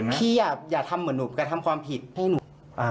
อย่าทำเหมือนหนูกระทำความผิดให้หนู